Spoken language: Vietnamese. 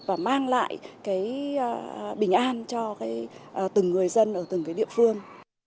và mang lại cái bình an cho từng người dân ở từng cái địa phương